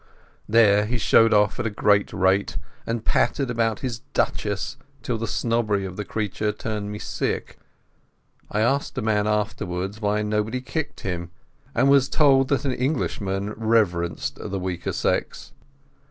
There he showed off at a great rate, and pattered about his duchesses till the snobbery of the creature turned me sick. I asked a man afterwards why nobody kicked him, and was told that Englishmen reverenced the weaker sex.